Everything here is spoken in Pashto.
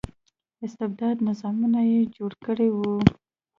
استبدادي نظامونه یې جوړ کړي وو.